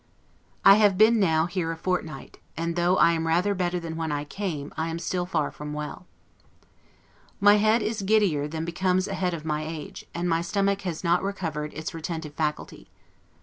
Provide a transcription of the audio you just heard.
I have been now here a fortnight; and though I am rather better than when I came, I am still far from well. My head is giddier than becomes a head of my age; and my stomach has not recovered its retentive faculty.